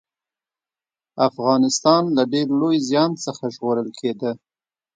افغانستان له ډېر لوی زيان څخه ژغورل کېده